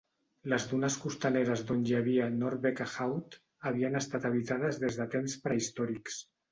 Les dunes costaneres d'on hi ha Noordwijkerhout havien estat habitades des de temps prehistòrics.